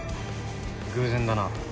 偶然だな。